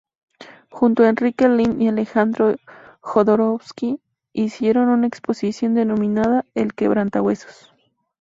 Junto a Enrique Lihn y Alejandro Jodorowsky, hicieron una exposición denominada "El quebrantahuesos".